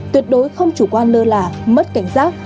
tuyệt đối không chủ quan lơ là mất cảnh giác